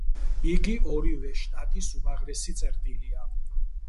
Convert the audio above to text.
იგი ორივე შტატის უმაღლესი წერტილია.